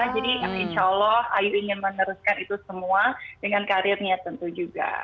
jadi insya allah ayu ingin meneruskan itu semua dengan karirnya tentu juga